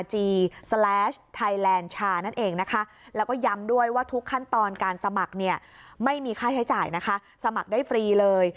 ให้จ่ายนะคะสมัครได้ฟรีเลย